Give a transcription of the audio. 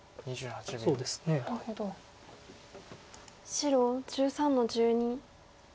白１３の十二。